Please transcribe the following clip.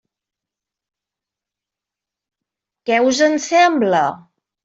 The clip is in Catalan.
Què us en sembla?